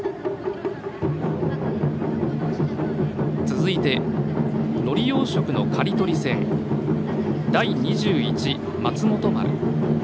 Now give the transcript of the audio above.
続いて、のり養殖の刈り取り船「第２１松本丸」。